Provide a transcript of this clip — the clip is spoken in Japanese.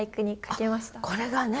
これがね